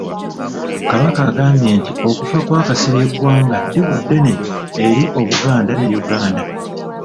Kabaka agambye nti okufa kwa Kasirye Ggwanga ddibu ddene eri Obuganda ne Uganda.